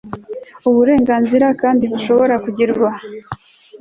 burenganzira kandi bushobora kugirwa